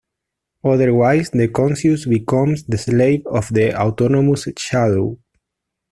Otherwise the conscious becomes the slave of the autonomous shadow'.